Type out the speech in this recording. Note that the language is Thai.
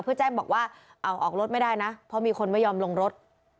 เพื่อแจ้งบอกว่าเอาออกรถไม่ได้นะเพราะมีคนไม่ยอมลงรถ